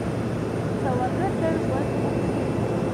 سوالګر ته ژوند بخښئ